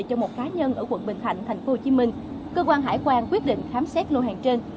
cơ quan hải quan quyết định khám xét lô hàng trên